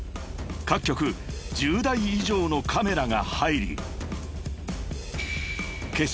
［各局１０台以上のカメラが入り］